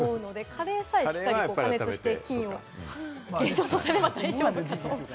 カレーさえしっかり加熱して菌を減少させれば大丈夫だと思います。